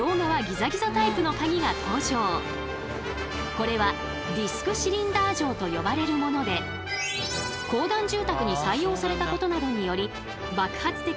これはディスクシリンダー錠と呼ばれるもので公団住宅に採用されたことなどにより爆発的に普及したといわれています。